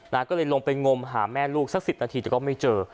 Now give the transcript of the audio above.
ก็เลยลงไปงมหาแม่ลูกสักสิบนาทีแต่ก็ไม่เจอ